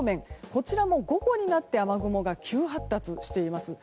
こちらも午後になって、雨雲が急発達しています。